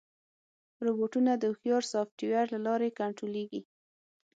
روبوټونه د هوښیار سافټویر له لارې کنټرولېږي.